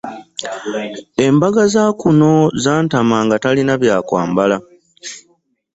Embaga za kuno zantama nga talina bya kwambala.